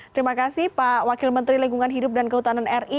terima kasih pak wakil menteri lingkungan hidup dan kehutanan ri